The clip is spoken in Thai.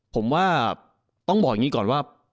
ผมว่าต้องบอกอย่างนี้ก่อนว่า